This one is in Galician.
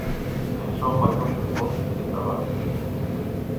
En xogo hai moitos postos de traballo.